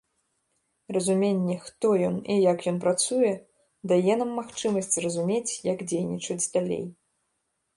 Разуменне, хто ён і як ён працуе, дае нам магчымасць зразумець, як дзейнічаць далей.